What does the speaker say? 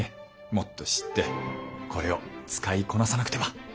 もっと知ってこれを使いこなさなくては！